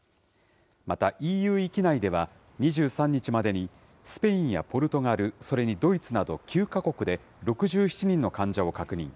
またＥＵ域内では、２３日までに、スペインやポルトガル、それにドイツなど９か国で、６７人の患者を確認。